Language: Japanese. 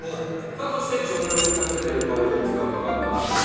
さあそして食欲をかき立てる香りに使うのがうますぎっ！！